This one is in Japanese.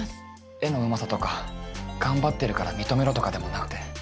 絵のうまさとか頑張ってるから認めろとかでもなくて。